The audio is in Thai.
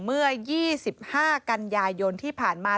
เมื่อ๒๕กันยายนที่ผ่านมา